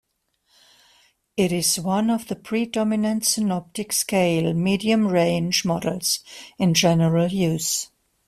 It is one of the predominant synoptic scale medium-range models in general use.